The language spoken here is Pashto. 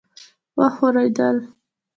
وښورېدل.